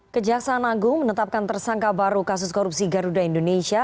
kejaksaan agung menetapkan tersangka baru kasus korupsi garuda indonesia